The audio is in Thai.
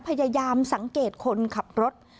พยายามสังเกตคนขับรถ